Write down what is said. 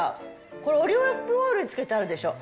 これ、オリーブオイルに漬けてあるでしょ？